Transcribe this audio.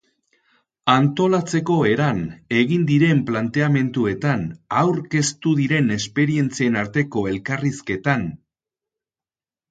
Antolatzeko eran, egin diren planteamenduetan, aurkeztu diren esperientzien arteko elkarrizketan...